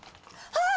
あっ！